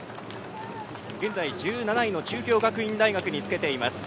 現在１７位の中京学院大学につけています。